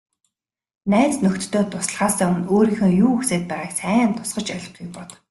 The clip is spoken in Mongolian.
Найз нөхдөдөө туслахаасаа өмнө өөрийнхөө юу хүсээд байгааг сайн тусгаж ойлгохыг бод.